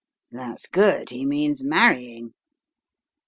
(That's good he means marrying.)